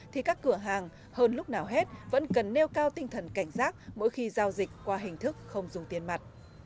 thì các cửa hàng hơn lúc nào hết vẫn cần nêu cao tinh thần cảnh giác mỗi khi giao dịch qua hình thức không dùng tiền mặt